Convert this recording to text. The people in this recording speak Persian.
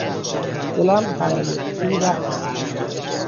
دلم برای او رحم آمد.